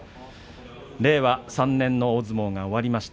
令和３年の大相撲を終わりました。